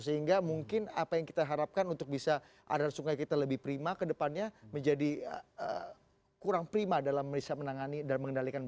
sehingga mungkin apa yang kita harapkan untuk bisa aliran sungai kita lebih prima kedepannya menjadi kurang prima dalam bisa menangani dan mengendalikan banjir